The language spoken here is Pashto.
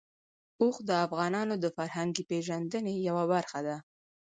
اوښ د افغانانو د فرهنګي پیژندنې یوه برخه ده.